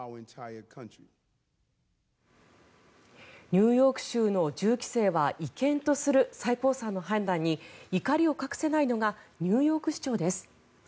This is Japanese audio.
ニューヨーク州の銃規制は違憲とする最高裁の判断に怒りを隠せないのがニューヨーク市長です。